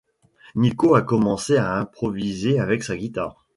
Nico a commencé à improviser avec sa guitare.